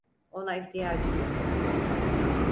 Ona ihtiyacım yok.